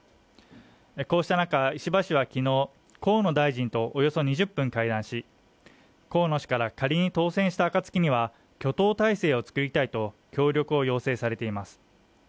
こうした中、石破氏は昨日河野大臣とおよそ２０分会談し河野氏から仮に当選した暁には挙党体制を作りたいと協力を要請されています